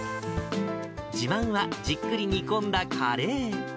自慢はじっくり煮込んだカレー。